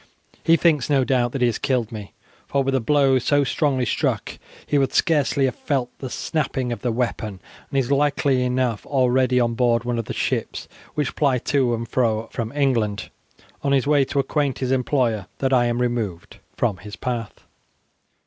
He thinks, no doubt, that he has killed me, for with a blow so strongly struck he would scarcely have felt the snapping of the weapon, and is likely enough already on board one of the ships which ply to and fro from England on his way to acquaint his employer that I am removed from his path."